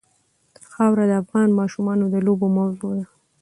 خاوره د افغان ماشومانو د لوبو موضوع ده.